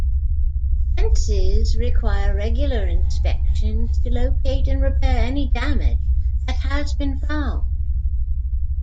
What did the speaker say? Fences require regular inspections to locate and repair any damage that has been found.